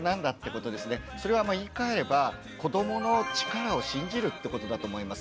それは言いかえれば子どもの力を信じるってことだと思います。